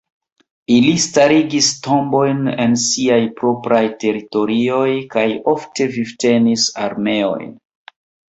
Ili starigis tombojn en siaj propraj teritorioj kaj ofte vivtenis armeojn.